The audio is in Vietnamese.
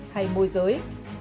hay môi giới